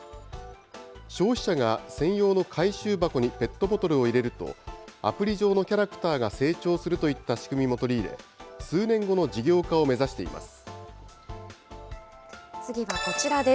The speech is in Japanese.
消費者が専用の回収箱にペットボトルを入れると、アプリ上のキャラクターが成長するといった仕組みも取り入れ、次はこちらです。